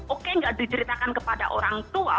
oke nggak diceritakan kepada orang tua